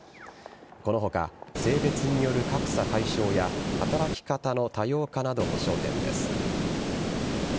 このほか、性別による格差解消や、働き方の多様化なども焦点です。